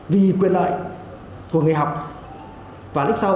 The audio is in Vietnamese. vì quyền lợi của người học và lịch sâu